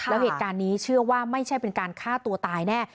แล้วเหตุการณ์นี้เชื่อว่าไม่ใช่เป็นการฆ่าตัวตายแน่